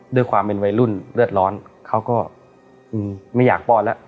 ด้วยความเป็นวัยรุ่นเลือดร้อนเขาก็ไม่อยากป้อนแล้ว